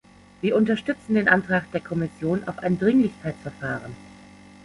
Wir unterstützen den Antrag der Kommission auf ein Dringlichkeitsverfahren.